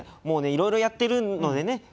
もうねいろいろやってるのでね